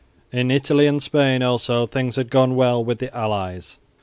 In Italy and Spain also things had gone well with the allies.